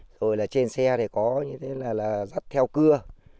rồi là trên xe thì có như thế là dắt theo cưa